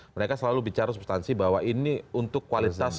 mereka selalu bicara substansi bahwa ini untuk kualitas